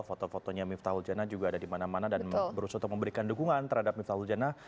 foto fotonya miftahul jana juga ada di mana mana dan berusaha untuk memberikan dukungan terhadap miftahul jana